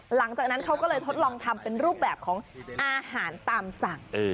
หลังจากนั้นเขาก็เลยทดลองทำเป็นรูปแบบของอาหารตามสั่ง